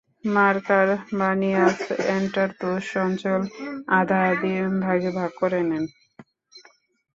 মারকাব, বানিয়াস, এন্টারতোস অঞ্চল আধাআধি ভাগে ভাগ করে নেন।